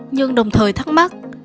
nhưng đồng thời thắc mắc